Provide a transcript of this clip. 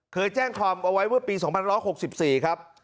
เคยแจ้งความเอาไว้เมื่อปี๒๑๖๔ครับ